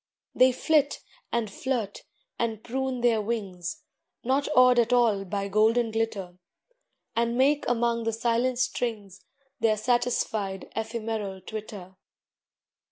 They flit, and flirt, and prune their wings, Not awed at all by golden glitter, And make among the silent strings Their satisfied ephemeral twitter.